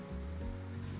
ubed dan berkata